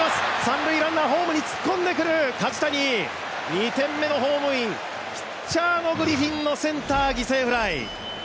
２点目のホームイン、ピッチャー・グリフィンのセンター犠牲フライ。